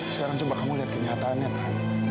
sekarang coba kamu lihat kenyataannya tuh